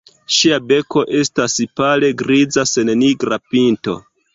Ŝia beko estas pale griza sen nigra pinto.